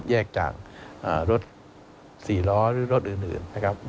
แยกจากรถสี่ล้อหรือรถอื่น